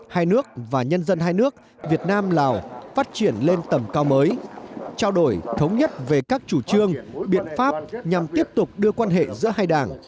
hai nước và nhân dân hai nước việt nam lào phát triển lên tầm cao mới trao đổi thống nhất về các chủ trương biện pháp nhằm tiếp tục đưa quan hệ giữa hai đảng